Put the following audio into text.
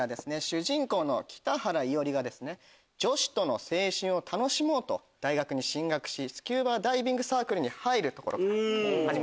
主人公の北原伊織が女子との青春を楽しもうと大学に進学しスキューバダイビングサークルに入るところから始まります。